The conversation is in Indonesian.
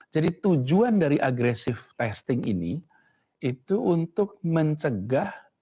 jadi tujuan dari agresif testing ini itu untuk mencegah